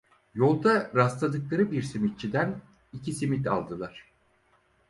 Yolda rastladıkları bir simitçiden iki simit aldılar.